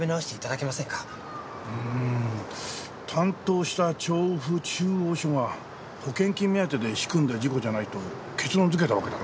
うーん担当した調布中央署が保険金目当てで仕組んだ事故じゃないと結論づけたわけだろ？